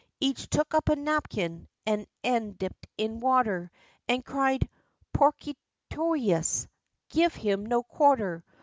Each took up a napkin the end dipt in water, And cried 'Porkitotius! Give him no quarter!'